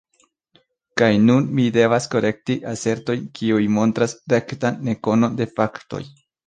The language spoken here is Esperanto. Kaj nun mi devas korekti asertojn, kiuj montras rektan nekonon de faktoj.